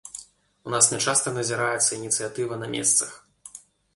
У нас нячаста назіраецца ініцыятыва на месцах.